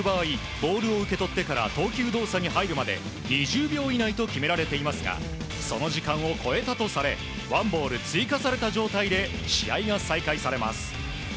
ボールを受け取ってから投球動作に入るまで２０秒以内と決められていますがその時間を超えたとされワンボール追加された状態で試合が再開されます。